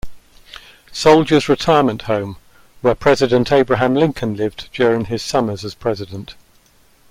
Soldiers' Retirement Home, where President Abraham Lincoln lived during his summers as President.